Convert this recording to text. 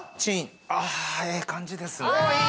ああええ感じですねああいい！